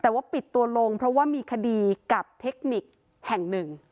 แต่ว่าปิดตัวลงเพราะว่ามีคดีกับเทคนิคแห่งหนึ่ง